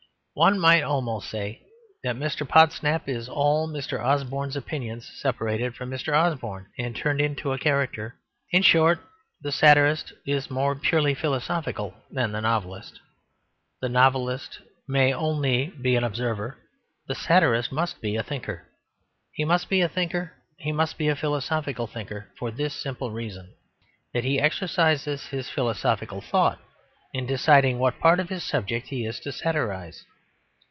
One might almost say that Mr. Podsnap is all Mr. Osborne's opinions separated from Mr. Osborne and turned into a character. In short the satirist is more purely philosophical than the novelist. The novelist may be only an observer; the satirist must be a thinker. He must be a thinker, he must be a philosophical thinker for this simple reason; that he exercises his philosophical thought in deciding what part of his subject he is to satirise.